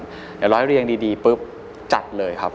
เดี๋ยวร้อยเรียงดีปุ๊บจัดเลยครับ